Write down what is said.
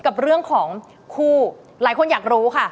กับเรื่องของคู่หลายคนอยากรู้ค่ะ